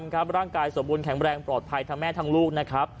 แค่ร่างกายสบวนแข็งแรงปลอดภัยทั้งแม่ทั้งลูก